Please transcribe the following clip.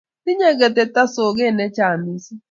Tinyei ketoto sokek chechang missing